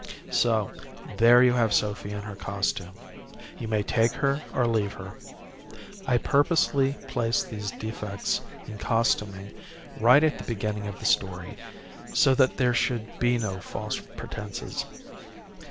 So there you have Sophy and her costume. You may take her or leave her. I purposely placed these defects in costuming right at the beginning of the story, so that there should be no false pretenses.